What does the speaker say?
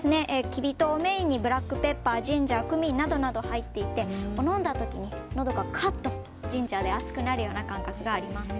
きび糖をメインにブラックペッパー、ジンジャークミンなどなど入っていて飲んだ時に、のどがカッとジンジャーで熱くなるような感覚があります。